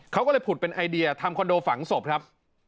เขาก็เลยผุดเป็นไอเดียทำคอนโดฝังศพครับ